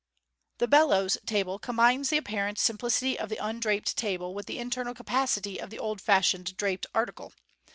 The " bellows' table combines the apparent simplicity of the undraped table with the internal capacity of the old fashioned draped article.